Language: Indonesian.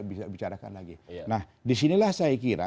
bisa bicarakan lagi nah disinilah saya kira